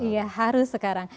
iya harus sekarang